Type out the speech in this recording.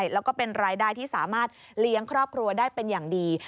แล้วก็เป็นรายได้ที่สามารถเลี้ยงครอบครัวได้เป็นอย่างดี